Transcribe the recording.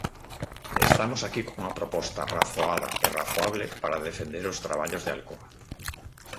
Estamos aquí cunha proposta razoada e razoable para defender os traballos de Alcoa.